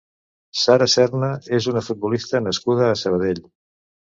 Sara Serna és una futbolista nascuda a Sabadell.